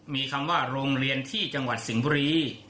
มีคำว่าโรงเรียนที่จังหวัดสิงห์บุรี